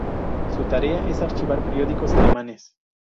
Su tarea es archivar periódicos alemanes.